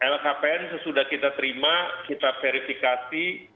lhkpn sesudah kita terima kita verifikasi